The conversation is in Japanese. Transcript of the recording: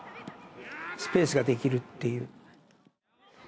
スペースができるというね。